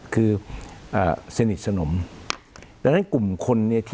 คุณจอมขอบพระคุณครับ